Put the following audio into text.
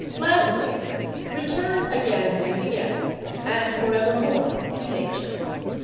Lastly: return again and again, and for evermore, to Nature.